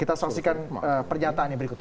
kita saksikan pernyataannya berikutnya